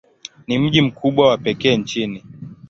Ni mji mkubwa wa pekee nchini.